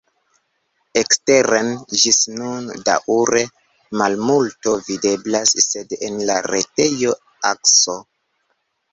Eksteren ĝis nun daŭre malmulto videblas, sed en la retejo Akso.